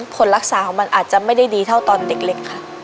ผลรักษาของมันอาจจะไม่ได้ดีเท่าตอนเด็กค่ะ